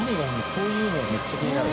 こういうのはめっちゃ気になる。